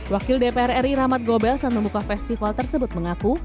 wakil dpr ri rahmat gobel saat membuka festival tersebut mengaku